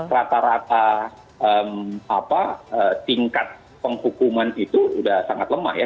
rata rata tingkat penghukuman itu sudah sangat lemah ya